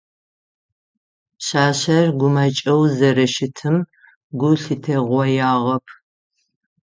Пшъашъэр гумэкӏэу зэрэщытым гу лъытэгъоягъэп.